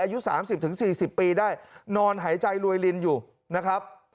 อายุ๓๐๔๐ปีได้นอนหายใจรวยลินอยู่นะครับ